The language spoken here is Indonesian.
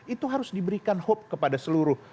itu harus diberikan hope kepada seluruh